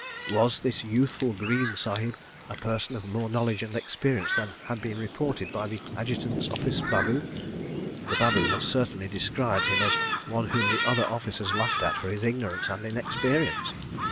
Was this youthful Greene Sahib a person of more knowledge and experience than had been reported by the Adjutant's Office babu? The babu had certainly described him as one whom the other officers laughed at for his ignorance and inexperience.